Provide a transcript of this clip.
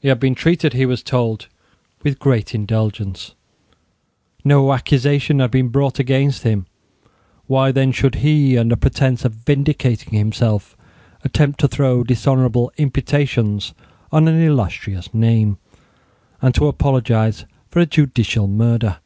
He had been treated, he was told, with great indulgence. No accusation had been brought against him. Why then should he, under pretence of vindicating himself, attempt to throw dishonourable imputations on an illustrious name, and to apologise for a judicial murder?